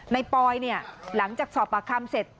ในปลอยเนี่ยหลังจากสอบประคัมเสร็จ